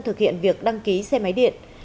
thực hiện việc đăng ký xe máy điện